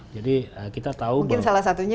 jadi kita tahu mungkin salah satunya